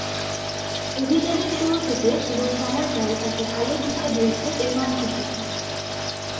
অভিযানের শুরু থেকে পুরো সময়টায় তাকে আলোর দিশা দিয়েছে এই মানচিত্রটি।